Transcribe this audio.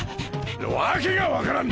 訳が分からん！